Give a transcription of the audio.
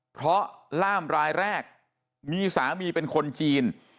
เพราะล่ามรายแรกมีสามีเป็นคนจีน